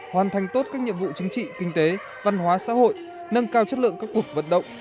hoàn thành tốt các nhiệm vụ chính trị kinh tế văn hóa xã hội nâng cao chất lượng các cuộc vận động